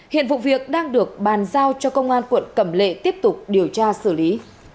hiện vụ việc đang được bàn giao cho công an quận cẩm lệ tiếp tục điều tra xử lý